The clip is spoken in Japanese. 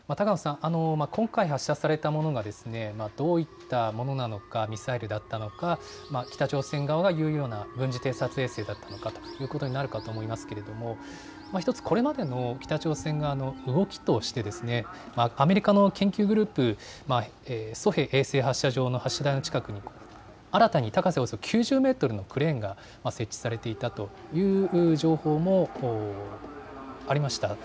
高野さん、今回発射されたものがどういったものなのかミサイルだったのか北朝鮮側が言うような軍事偵察衛星だったのかということになるかと思いますが１つ、これまでの北朝鮮側の動きとしてアメリカの研究グループ、ソヘ衛星発射台の近くに新たに高さおよそ９０メートルのクレーンが設置されていたという情報もありました。